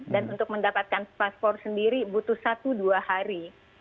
dan untuk mendapatkan paspor sendiri butuh satu dua hari